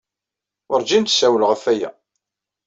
Wurǧin d-tessawel ɣef waya.